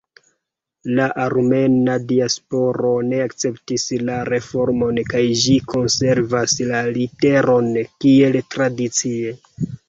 La armena diasporo ne akceptis la reformon kaj ĝi konservas la literon kiel tradicie.